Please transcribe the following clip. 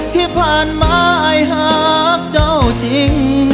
ที่ผ่านมาหากเจ้าจริง